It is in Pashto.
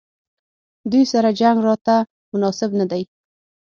دوی سره جنګ راته مناسب نه دی.